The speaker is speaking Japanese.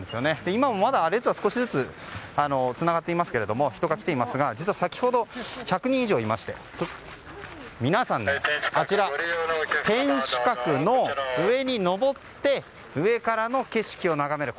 今もまだ列は少しずつつながっていて人が来ていますが先ほどは１００人以上いまして皆さんあちら天守閣の上に上って上からの景色を眺める。